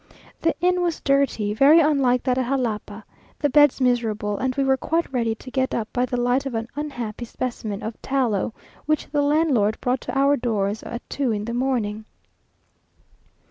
The inn was dirty, very unlike that at Jalapa, the beds miserable, and we were quite ready to get up by the light of an unhappy specimen of tallow which the landlord brought to our doors at two in the morning.